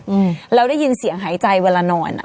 อืมแล้วได้ยินเสียงหายใจเวลานอนอ่ะ